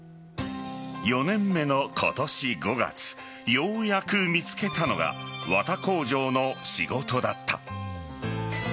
４年目の今年５月ようやく見つけたのが綿工場の仕事だった。